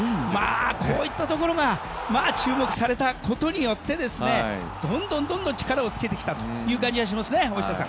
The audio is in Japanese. こういったところが注目されたことによってどんどん力をつけてきたという感じがしますね。